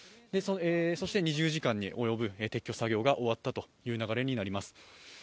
そして、２０時間に及ぶ撤去作業が終わったという流れになります。